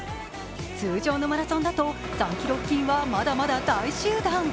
通常のマラソンだと３ｋｍ付近はまだまだ大集団。